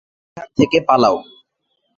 এখান থেকে পালাও।